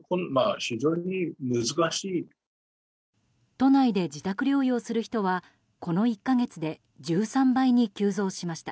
都内で自宅療養する人はこの１か月で１３倍に急増しました。